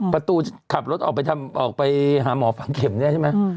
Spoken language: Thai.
ประตูขับรถออกไปหาหมอฝังเข็มเนี่ยใช่ไหม